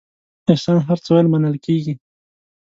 احسان هر څه ویل منل کېږي.